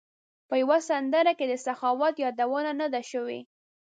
په یوه سندره کې د سخاوت یادونه نه ده شوې.